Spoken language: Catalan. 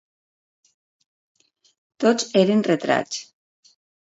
Tots eren retrats.